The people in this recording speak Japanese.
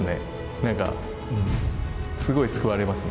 なんかすごい救われますね。